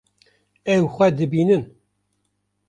Ew xwe dibînin.